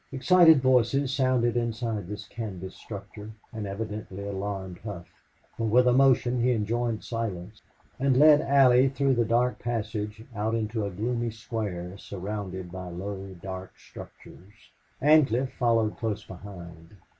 Excited voices sounded inside this canvas structure and evidently alarmed Hough, for with a motion he enjoined silence and led Allie through the dark passage out into a gloomy square surrounded by low, dark structures. Ancliffe followed close behind.